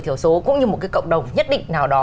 thiểu số cũng như một cái cộng đồng nhất định nào đó